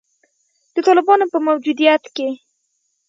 د طالبانو په موجودیت کې